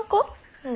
うん。